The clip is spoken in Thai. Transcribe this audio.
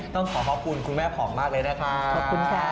ต้องขอขอบคุณคุณแม่ผอมมากเลยนะคะขอบคุณค่ะ